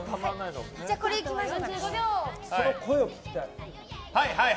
じゃあこれいきましょう。